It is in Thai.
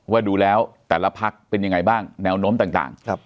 ว่าดูแล้วแต่ละพักเป็นยังไงบ้างแนวโน้มต่าง